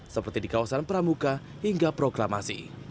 seperti di kawasan pramuka hingga proklamasi